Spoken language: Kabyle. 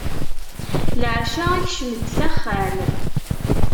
Leɛca, ikcem-d s axxam.